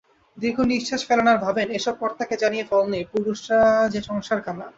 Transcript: দীর্ঘনিশ্বাস ফেলেন আর ভাবেন, এ-সব কর্তাকে জানিয়ে ফল নেই, পুরুষরা যে সংসার-কানা।